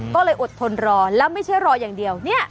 ก็เลยอดทนรอแล้วไม่ใช่รออย่างเดียว